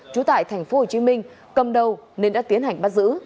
trú tại tp hcm cầm đầu nên đã tiến hành bắt giữ